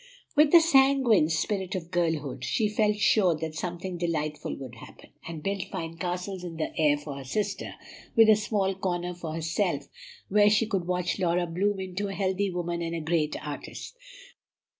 With the sanguine spirit of girlhood, she felt sure that something delightful would happen, and built fine castles in the air for her sister, with a small corner for herself, where she could watch Laura bloom into a healthy woman and a great artist.